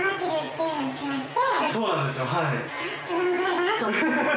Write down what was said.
そうなんですよ。